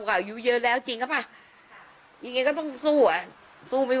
เขาอายุเยอะแล้วจริงหรือเปล่ายังไงก็ต้องสู้อ่ะสู้ไม่